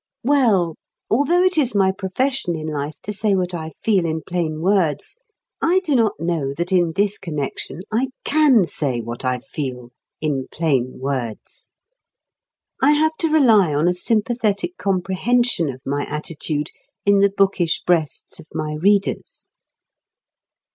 Well, although it is my profession in life to say what I feel in plain words, I do not know that in this connection I can say what I feel in plain words. I have to rely on a sympathetic comprehension of my attitude in the bookish breasts of my readers.